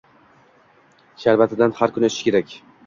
Sharbatidan har kuni ichish kerak.